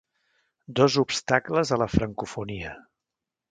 Dos obstacles a la francofonia.